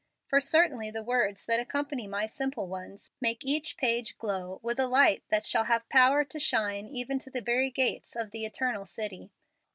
For certainly the words that accompany my simple ones make each page glow with a light that shall have power to shine even to the very gates of the eternal city.